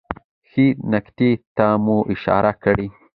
ښې نکتې ته مو اشاره کړې